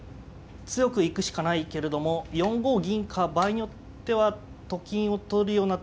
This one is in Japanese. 強く行くしかないけれども４五銀か場合によってはと金を取るような手も見えるけど。